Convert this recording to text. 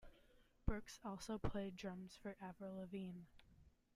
Brooks also played drums for Avril Lavigne.